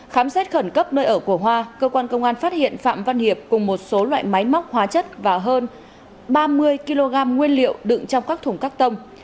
khám xét khẩn cấp nơi ở của hoa cơ quan công an phát hiện phạm văn hiệp cùng một số loại máy móc hóa chất và hơn ba mươi kg nguyên liệu đựng trong các thùng cắt tông